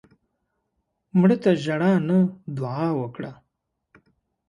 مړه ته ژړا نه، دعا وکړه